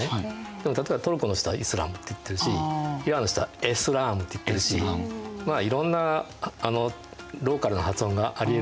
でも例えばトルコの人は「イスラム」って言ってるしイランの人は「エスラーム」って言ってるしまあいろんなローカルな発音がありえるので。